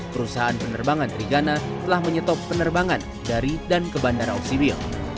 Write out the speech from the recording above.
perusahaan penerbangan trigana telah menyetop penerbangan dari dan ke bandara oksibil